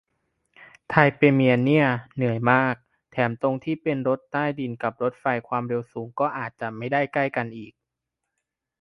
ไทเปเมนเนี่ย เหนื่อยมาก แถมตรงที่เป็นรถใต้ดินกับรถไฟความเร็วสูงก็อาจจะไม่ได้ใกล้กันอีก